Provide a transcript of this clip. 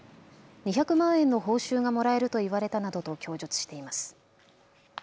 ２００万円の報酬がもらえると言われたなどと供述しています。